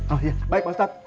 oh iya baik pak mustaq